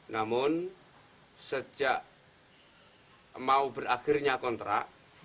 namun sejak mau berakhirnya kontrak